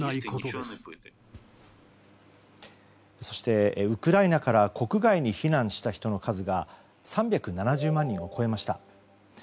そしてウクライナから国外に避難した人の数が３７０万人を超えました。